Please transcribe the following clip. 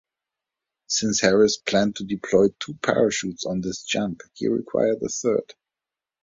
Since Harris planned to deploy two parachutes on this jump, he required a third.